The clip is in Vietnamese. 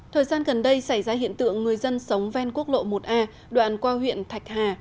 thời gian gần đây xảy ra hiện tượng người dân sống ven quốc lộ một a đoạn qua huyện thạch hà